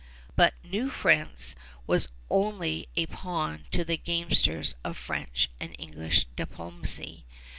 But New France was only a pawn to the gamesters of French and English diplomacy.